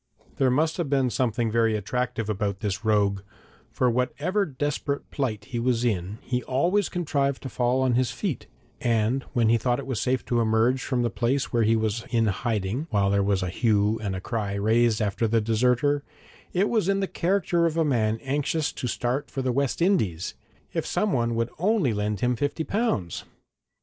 There must have been something very attractive about this rogue, for whatever desperate plight he was in he always contrived to fall on his feet; and when he thought it safe to emerge from the place where he was in hiding while there was a hue and cry raised after the deserter, it was in the character of a man anxious to start for the West Indies if someone would only lend him fifty pounds!